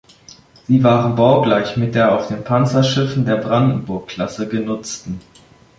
Sie waren baugleich mit den auf den Panzerschiffen der "Brandenburg"-Klasse genutzten.